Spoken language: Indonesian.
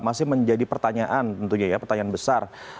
masih menjadi pertanyaan pertanyaan besar